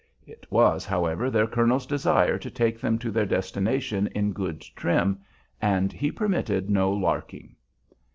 It was, however, their colonel's desire to take them to their destination in good trim, and he permitted no "larking."